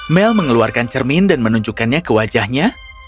mel mengeluarkan cermin dan menunjukkannya ke wajahnya